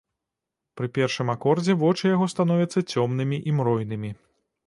Пры першым акордзе вочы яго становяцца цёмнымі і мройнымі.